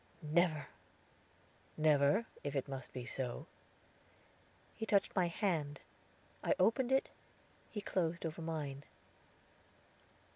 "Never, if it must be so." He touched my hand; I opened it; his closed over mine.